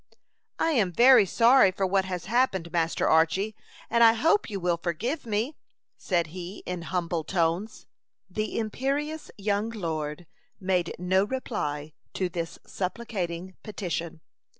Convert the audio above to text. "I am very sorry for what has happened, Master Archy, and I hope you will forgive me," said he, in humble tones. The imperious young lord made no reply to this supplicating petition.